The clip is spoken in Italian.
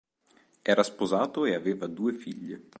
Era sposato e aveva due figlie.